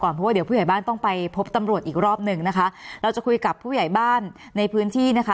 เพราะว่าเดี๋ยวผู้ใหญ่บ้านต้องไปพบตำรวจอีกรอบหนึ่งนะคะเราจะคุยกับผู้ใหญ่บ้านในพื้นที่นะคะ